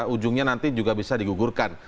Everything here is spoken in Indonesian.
ujungnya nanti juga bisa digugurkan